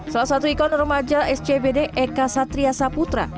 salah satu ikon remaja scbd eka satria saputra